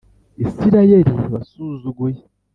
Isirayeli wasuzuguye